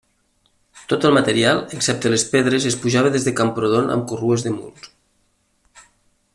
Tot el material, excepte les pedres es pujava des de Camprodon amb corrues de muls.